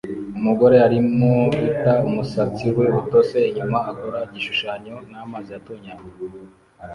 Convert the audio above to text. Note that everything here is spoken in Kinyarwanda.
Umugore arimo guta umusatsi we utose inyuma akora igishushanyo n'amazi atonyanga